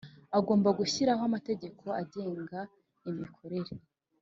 Agomba gushyiraho amategeko agenga imikorere